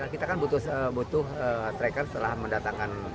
kita kan butuh tracker setelah mendatangkan